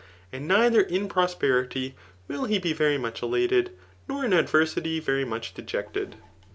And nehfaer in proqierity will he be very much elated, jior in adTentty very. much dejected.